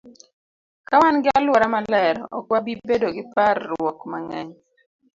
Ka wan gi alwora maler, ok wabi bedo gi par ruok mang'eny.